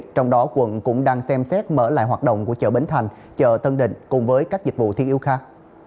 trong đó quận cũng đang xem xét mở lại hoạt động của chợ bến thành chợ tân định cùng với các dịch vụ thiếu khắc